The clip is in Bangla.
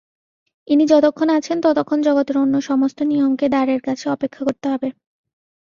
ইনি যতক্ষণ আছেন ততক্ষণ জগতের অন্য সমস্ত নিয়মকে দ্বারের কাছে অপেক্ষা করতে হবে।